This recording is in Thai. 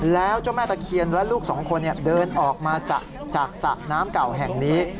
แล้วเจ้าแม่ตะเคียนและลูกสองคนเดินออกมาจากสระน้ำเก่าแห่งนี้